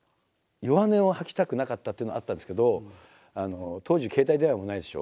弱音を吐きたくなかったっていうのはあったんですけど当時携帯電話もないでしょ。